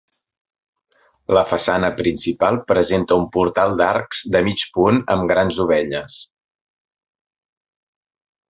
La façana principal presenta un portal d'arc de mig punt amb grans dovelles.